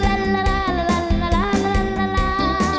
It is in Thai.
รักก็หนุ่มแต่ไม่ทุกข์อะไร